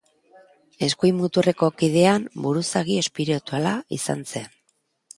Eskuin muturreko kideen buruzagi espirituala izan zen.